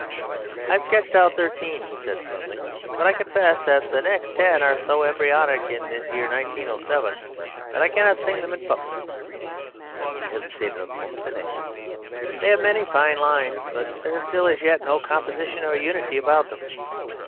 "I have sketched out thirteen," said he firmly, "but I confess that the next ten are so embryonic in this year 1907 that I cannot sing them in public." He hesitated a moment, then added: "They have many fine single lines, but there is as yet no composition or unity about them."